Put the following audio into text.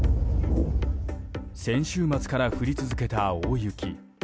先週末から降り続けた大雪。